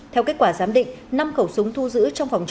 theo kết quả giám định năm khẩu súng thu giữ trong phòng